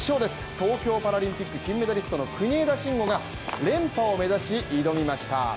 東京パラリンピック金メダリストの国枝慎吾が連覇を目指し，挑みました。